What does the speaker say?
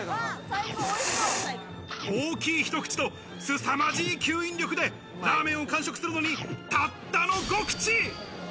大きい一口と、すさまじい吸引力でラーメンを完食するのにたったの５口。